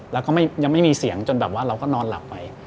แล้วก็ยังไม่มีเสียงจนแบบว่าเราก็นอนหลับไป